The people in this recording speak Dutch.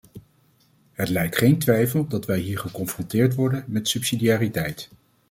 Het lijdt geen twijfel dat wij hier geconfronteerd worden met subsidiariteit.